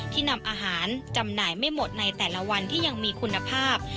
นำอาหารจำหน่ายไม่หมดในแต่ละวันที่ยังมีคุณภาพ